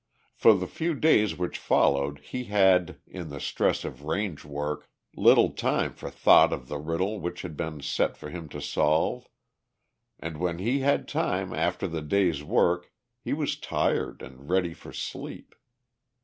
For the few days which followed he had, in the stress of range work, little time for thought of the riddle which had been set for him to solve, and when he had time after the day's work he was tired and ready for sleep.